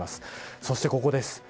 そして、ここです。